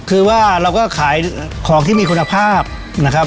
คือว่าเราก็ขายของที่มีคุณภาพนะครับ